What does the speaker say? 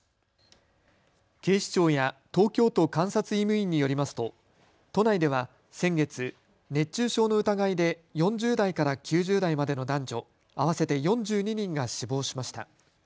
警視庁や東京都監察医務院によりますと都内では先月、熱中症の疑いで４０代から９０代までの男女合わせて４２人が死亡しました。